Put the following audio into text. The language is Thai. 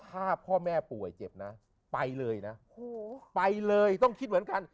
ถ้าพ่อแม่ป่วยเจ็บนะไปเลยนะไปเลยต้องคิดเหมือนกัน